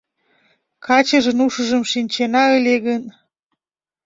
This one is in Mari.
Качыжын ушыжым шинчена ыле гын